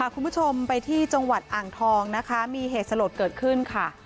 คุณผู้ชมไปที่จังหวัดอ่างทองนะคะมีเหตุสลดเกิดขึ้นค่ะ